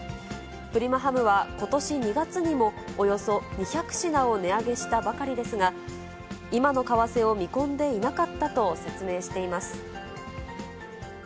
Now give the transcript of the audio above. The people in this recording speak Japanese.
プリマハムは、ことし２月にも、およそ２００品を値上げしたばかりですが、今の為替を見込んでいなかったと説明しています。